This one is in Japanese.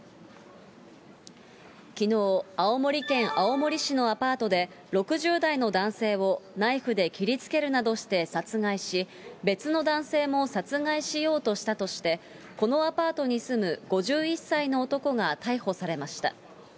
きのう、青森県青森市のアパートで、６０代の男性をナイフで切りつけるなどして殺害し、別の男性も殺害しようとしたとして、このアパートに住む５１歳の男が逮捕されました。